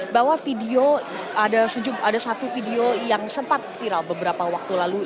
bahwa video ada satu video yang sempat viral beberapa waktu lalu